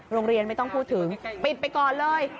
โรงเรียนไม่ต้องพูดถึงปิดไปก่อนเลย